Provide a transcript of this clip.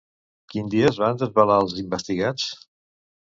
Quin dia es van desvelar els investigats?